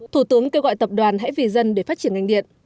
thủ tướng kêu gọi tập đoàn hãy vì dân để phát triển ngành điện